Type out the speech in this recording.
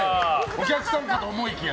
お客さんかと思いきや。